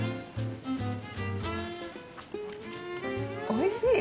おいしい！